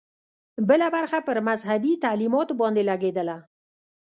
بله برخه پر مذهبي تعلیماتو باندې لګېدله.